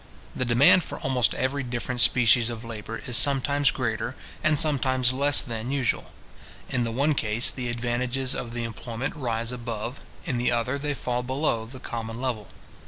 The demand for almost every different species of labour is sometimes greater, and sometimes less than usual. In the one case, the advantages of the employment rise above, in the other they fall below the common level.